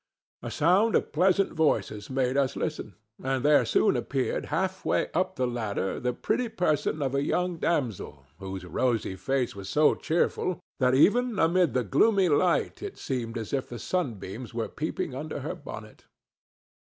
A sound of pleasant voices made us listen, and there soon appeared halfway up the ladder the pretty person of a young damsel whose rosy face was so cheerful that even amid the gloomy light it seemed as if the sunbeams were peeping under her bonnet.